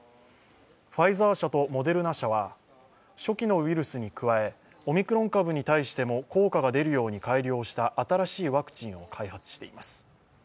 ファイザー社とモデルナ社は初期のウイルスに加えオミクロン株に対しても効果が出るように改良した新しいワクチンを開発しています。